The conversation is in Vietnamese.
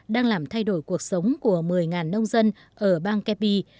đang làm thay đổi cuộc sống của một mươi nông dân ở bang kepi